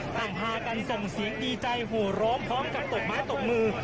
ต่างพากันส่งสีดีใจหัวร้อมพร้อมกับตกบ้านตกมือ